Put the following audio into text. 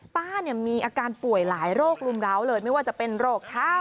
ป้าเนี่ยมีอาการป่วยหลายโรครุมร้าวเลยไม่ว่าจะเป็นโรคเท้า